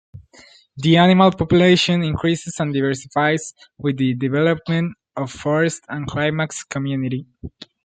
The animal population increases and diversifies with the development of forest climax community.